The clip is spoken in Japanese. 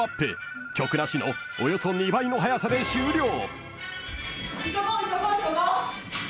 ［曲なしのおよそ２倍の速さで終了］